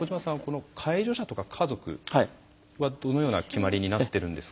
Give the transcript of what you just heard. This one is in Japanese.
この介助者とか家族はどのような決まりになっているんですか？